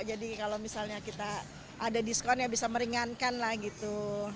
jadi kalau misalnya kita ada diskon ya bisa meringankan lah gitu